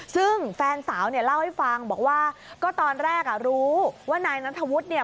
ซึ่งแฟนสาวเล่าให้ฟังบอกว่าก็ตอนแรกรู้ว่านายนัทวุฒิ